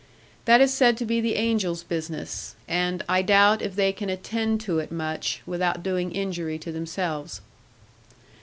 That is said to be the angels' business; and I doubt if they can attend to it much, without doing injury to themselves.